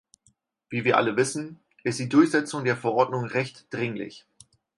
Wie wir alle wissen, ist die Durchsetzung der Verordnung recht dringlich.